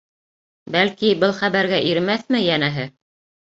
Бәлки, был хәбәргә иремәҫме, йәнәһе.